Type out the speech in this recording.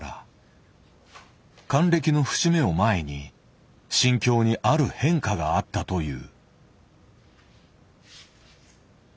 還暦の節目を前に心境にある変化があったという。